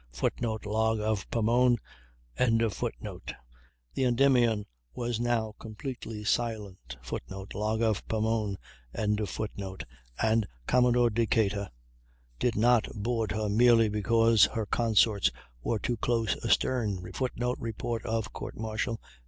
[Footnote: Log of Pomone.] The Endymion was now completely silent, [Footnote: Log of Pomone.] and Commodore Decatur did not board her merely because her consorts were too close astern [Footnote: Report of Court martial.